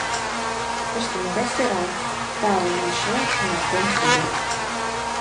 «Тыште могай сӧрал», — тау маншыла шоналтен тудо.